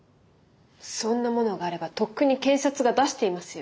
そんなものがあればとっくに検察が出していますよ。